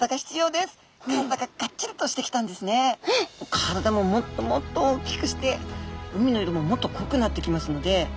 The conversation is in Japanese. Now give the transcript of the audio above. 体ももっともっと大きくして海の色ももっと濃くなってきますのではい。